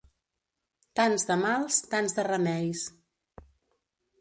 Tants de mals, tants de remeis.